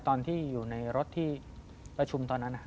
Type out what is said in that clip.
ตอนที่อยู่ในรถที่ประชุมตอนนั้น